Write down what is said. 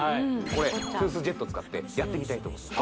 これトゥースジェットを使ってやってみたいと思います